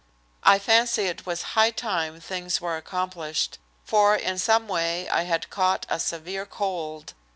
I fancy it was high time things were accomplished, for in some way I had caught a severe cold.